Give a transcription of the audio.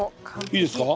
いいですか？